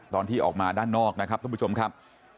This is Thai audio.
ตอนที่ออกมาด้านนอกนะครับท่านผู้ชมครับ